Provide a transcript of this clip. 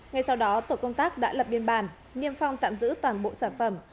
ngay sau đó tổ công tác đã lập biên bản niêm phong tạm giữ toàn bộ sản phẩm